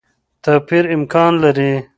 توپیر امکان لري.